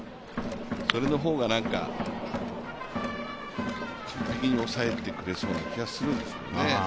それの方が完璧に抑えてくれそうな気がするんですけどね。